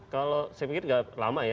kalau saya pikir nggak lama ya